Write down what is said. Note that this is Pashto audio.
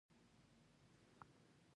مېوې د افغان ماشومانو د لوبو موضوع ده.